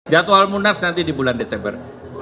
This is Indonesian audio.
jadwal munas nanti di bulan desember